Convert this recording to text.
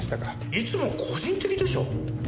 いつも個人的でしょ。